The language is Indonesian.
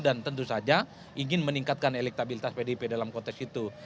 dan tentu saja ingin meningkatkan elektabilitas pdip dalam kota situ